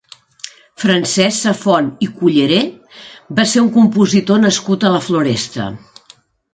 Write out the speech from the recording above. Francesc Safont i Culleré va ser un compositor nascut a la Floresta.